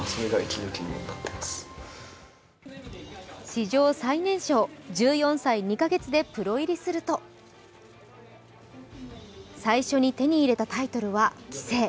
史上最年少１４歳２か月でプロ入りすると最初に手に入れたタイトルは棋聖。